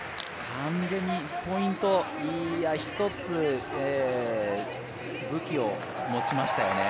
完全にポイント、いや、１つ、武器を持ちましたよね。